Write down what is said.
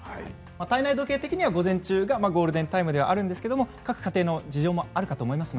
体内的にはゴールデンタイムは午前中ですが各家庭の事情あるかと思います。